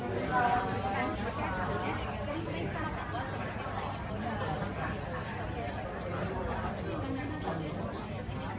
เพราะคุณแม่ก็ใช้ยุนตามธรรมยุนตามความรักกับน้ำให้ด้านการ